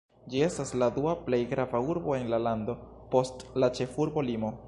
Ĝi estas la dua plej grava urbo en la lando, post la ĉefurbo Limo.